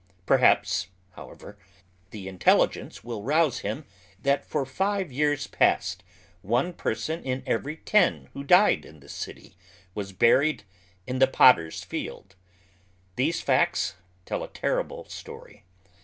Perhaps, however, the intelligence will rouse him that for five years past one person in every ten who died in this city was buried in the Potter's Field. These facts tell a terrible story.